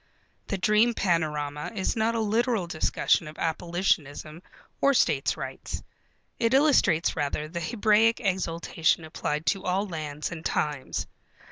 The dream panorama is not a literal discussion of abolitionism or states' rights. It illustrates rather the Hebraic exultation applied to all lands and times.